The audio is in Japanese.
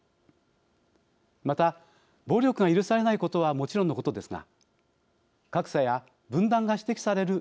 また、暴力が許されないことはもちろんのことですが格差や分断が指摘される